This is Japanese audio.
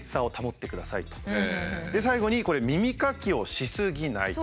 最後に耳かきをしすぎないと。